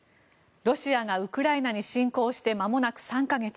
ロシアがウクライナに侵攻してまもなく３か月。